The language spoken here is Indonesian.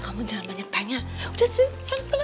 kamu jangan banyak tanya tanya udah sih